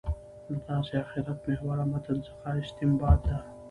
له داسې آخرت محوره متن څخه استنباط ده.